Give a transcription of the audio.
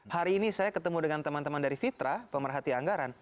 hari ini saya ketemu dengan teman teman dari fitra pemerhati anggaran